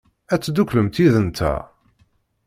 Ad tedduklem yid-nteɣ?